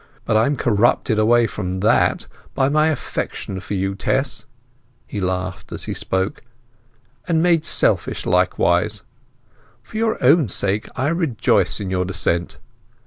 But I am corrupted away from that by my affection for you, Tess (he laughed as he spoke), and made selfish likewise. For your own sake I rejoice in your descent.